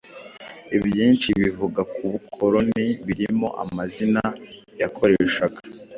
ibyinshi bivuga ku bukoloni birimo amazina yakoreshaga